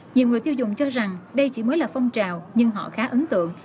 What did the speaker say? nhiều người tiêu dùng cho rằng đây chỉ mới là phong trào nhưng họ khá ấn tượng